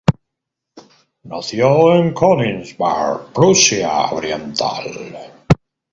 Nació en Königsberg, Prusia Oriental.